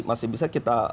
masih bisa kita